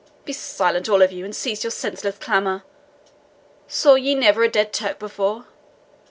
Be silent, all of you, and cease your senseless clamour! saw ye never a dead Turk before?